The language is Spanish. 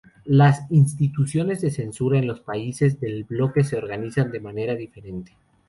Las instituciones de censura en los países del Bloque se organizaron de manera diferente.